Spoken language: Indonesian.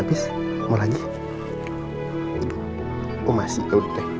oh masih udah deh